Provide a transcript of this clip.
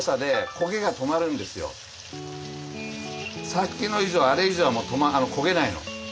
さっきの以上あれ以上はもう焦げないの。